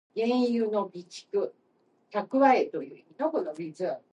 He was buried in Calvary Cemetery in the west suburb of McKees Rocks.